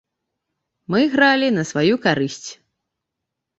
Мы гралі на сваю карысць.